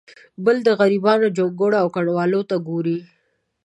بل د غریبانو جونګړو او کنډوالو ته ګوري.